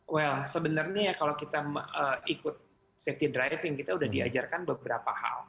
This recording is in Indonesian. well sebenarnya kalau kita ikut safety driving kita udah diajarkan beberapa hal